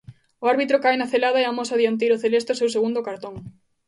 O árbitro cae na celada e amosa ao dianteiro celeste o seu segundo cartón.